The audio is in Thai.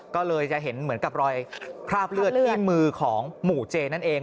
ก็เลยจะเห็นเหมือนกับรอยคราบเลือดที่มือของหมู่เจนั่นเอง